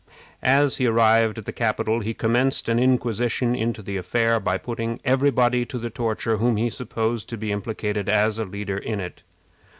As he arrived at the capital, he commenced an inquisition into the affair by putting every body to the torture whom he supposed to be implicated as a leader in it.